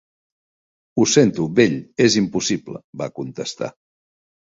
"Ho sento, vell, és impossible", va contestar.